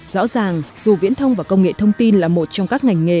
rõ ràng dù viễn thông và công nghệ thông tin là một trong các ngành nghề